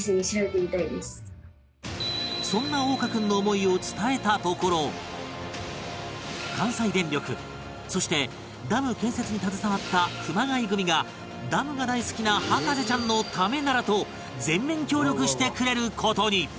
そんな央果君の関西電力そしてダム建設に携わった熊谷組がダムが大好きな博士ちゃんのためならと全面協力してくれる事に